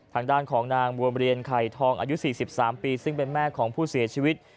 ทางด้านของนางบัวเรียนไข่ทองอายุ๔๓ปีซึ่งเป็นแม่ของผู้เสียชีวิต